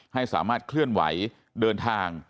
ให้สามารถเคลื่อนไหวเดินทาง